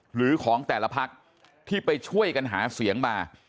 หรือของแต่ละพักที่ไปช่วยกันหาเสียงมา